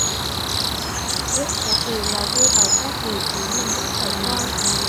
Rất có thể là gây ảo giác bởi thứ mình đã trải qua